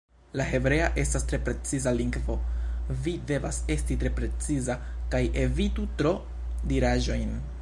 La hebrea estas tre preciza lingvo, vi devas esti tre preciza kaj evitu tro-diraĵojn.